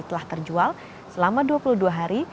telah terjual selama dua puluh dua hari